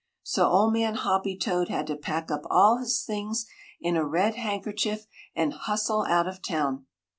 So Old Man Hoppy toad had to pack up all his things in a red handkerchief and hustle out of town.